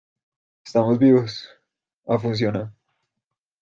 estamos vivos. ha funcionado .